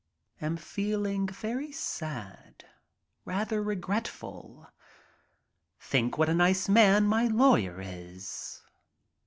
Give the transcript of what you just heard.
Am feeling very sad, rather regretful — think what a nice man my lawyer is.